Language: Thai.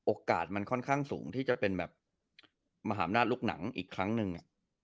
โอกาสมันค่อนข้างสูงที่จะเป็นมหาลับลูกหนังอีกครั้งนึง